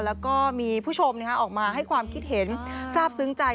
แล้วก็มีผู้ชมออกมาให้ความคิดเห็นทราบซึ้งใจ